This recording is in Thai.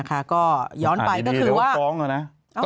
ก็ย้อนไปก็คือว่า